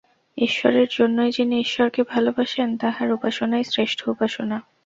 ঈশ্বরের জন্যই যিনি ঈশ্বরকে ভালবাসেন, তাঁহার উপাসনাই শ্রেষ্ঠ উপাসনা।